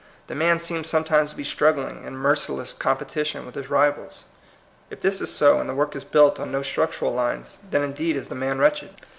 The man seems some times to be struggling in merciless compe tition with his rivals. If this is so, and the work is built on no structural lines, then indeed is the man wretched.